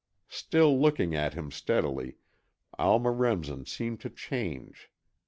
Still looking at him steadily, Alma Remsen seemed to change.